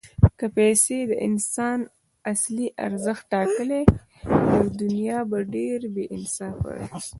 که پیسې د انسان اصلي ارزښت ټاکلی، نو دنیا به ډېره بېانصافه وای.